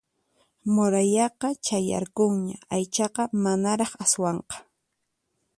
Murayaqa chayarqunñan aychaqa manaraq aswanqa